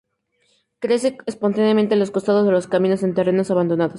Crece espontáneamente a los costados de los caminos y en terrenos abandonados.